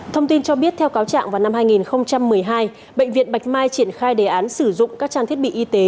thông tin cho biết theo cáo trạng vào năm hai nghìn một mươi hai bệnh viện bạch mai triển khai đề án sử dụng các trang thiết bị y tế